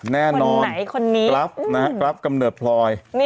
แน่นอนคนนี้กรัฟนะครับกรัฟกำเนิดพลอย